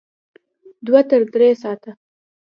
دوه تر درې ساعته